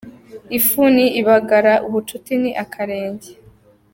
Ifuni ibagara ubucuti ni akarenge.